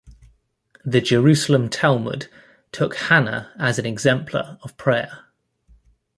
The Jerusalem Talmud took Hannah as an exemplar of prayer.